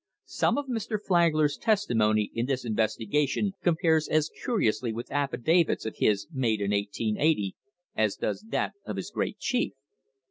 Some of Mr. Flagler's testimony in this investigation compares as curiously with affidavits of his made in 1880 as does that of his great chief.